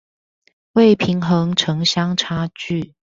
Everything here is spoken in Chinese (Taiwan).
為平衡城鄉差距